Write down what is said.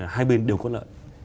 hai bên đều có lợi